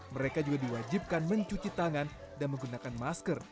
mereka juga diwajibkan mencuci tangan dan menggunakan masker